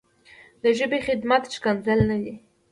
د ژبې خدمت ښکنځل نه دي.